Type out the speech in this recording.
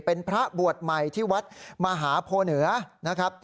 เป็นพระบวชใหม่ที่วัดมหาโพเหนือนะครับ